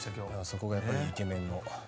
そこがやっぱりイケ麺の。